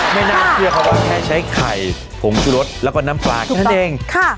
ไม่น่าเชื่อครับว่าแค่ใช้ไข่ผงชุรสแล้วก็น้ำปลาแค่นั้นเอง